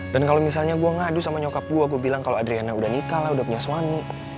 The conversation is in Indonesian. dan kalau misalnya gue ngadu sama nyokap gue gue bilang kalau adriana udah nikah lah udah punya suami